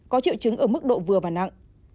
có triệu chứng ở mức độ vừa và nặng